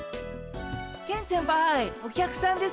ケン先輩お客さんですか？